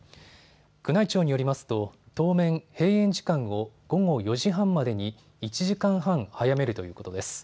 宮内庁によりますと当面、閉園時間を午後４時半までに１時間半早めるということです。